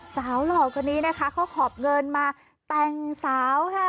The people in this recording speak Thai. หล่อคนนี้นะคะเขาขอบเงินมาแต่งสาวค่ะ